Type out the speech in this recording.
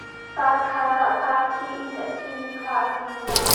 Sarthlan ah sarthih in a thi mi kha an vui hna.